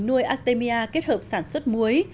nuôi artemia kết hợp sản xuất muối